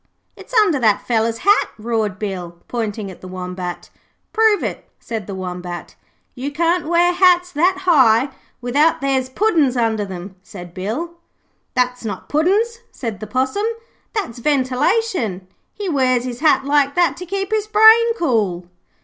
'It's under that feller's hat,' roared Bill, pointing at the Wombat. 'Prove it,' said the Wombat. 'You can't wear hats that high, without there's puddin's under them,' said Bill. 'That's not puddin's,' said the Possum; 'that's ventilation. He wears his hat like that to keep his brain cool.'